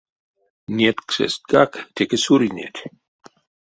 Нетьксэсткак теке суринеть.